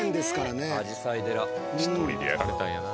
１人でやられたんやな。